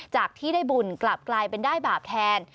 จากที่ได้บุญกลับกลายเป็นได้บาปแทน